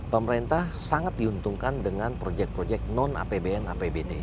pemerintah sangat diuntungkan dengan projek projek non apbn apbd